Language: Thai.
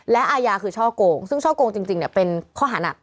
และอายาคือช่อโกงซึ่งช่อโกงจริงเป็นข้อหานัก